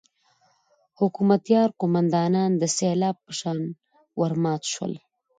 حکمتیار قوماندانان د سېلاب په شان ورمات شول.